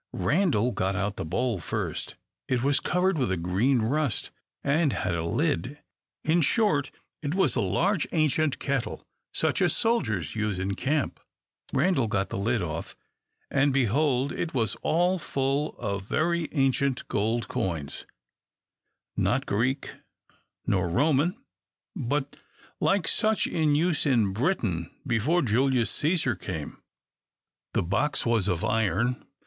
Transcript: Randal got out the bowl first. It was covered with a green rust, and had a lid; in short, it was a large ancient kettle, such as soldiers use in camp. Randal got the lid off, and, behold, it was all full of very ancient gold coins, not Greek nor Roman, but like such in use in Briton before Julius Caesar came. The box was of iron.